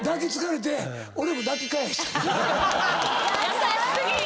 優し過ぎ！